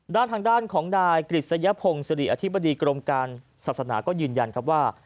ด้านทางด้านของนายกฤษยพงศิริอธิบดีกรมการศาสนาก็ยืนยันครับว่า